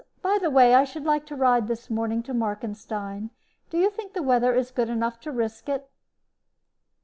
By the way, I should like to ride this morning to Markenstein. Do you think the weather is good enough to risk it?"